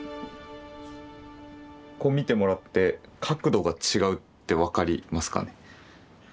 こう見てもらって角度が違うって分かりますかね？